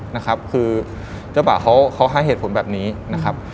นะครับคือเจ้าบ่าวเขาเขาให้เหตุผลแบบนี้นะครับ